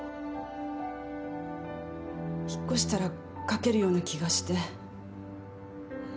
引っ越したら書けるような気がして。